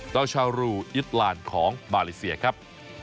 ต้องชาวรูอิตลานของบาลิเซียครับ